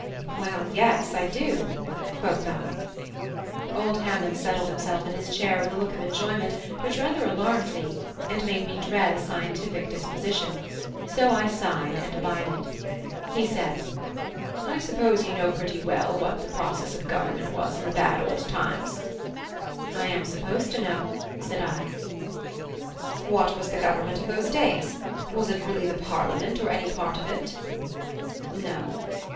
"Well, yes, I do," quoth I. Old Hammond settled himself in his chair with a look of enjoyment which rather alarmed me, and made me dread a scientific disquisition: so I sighed and abided. He said: "I suppose you know pretty well what the process of government was in the bad old times?" "I am supposed to know," said I. (Hammond) What was the government of those days? Was it really the Parliament or any part of it? (I) No.